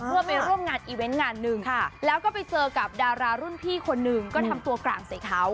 เพื่อไปร่วมงานอีเวนต์งานหนึ่งแล้วก็ไปเจอกับดารารุ่นพี่คนหนึ่งก็ทำตัวกลางใส่เขา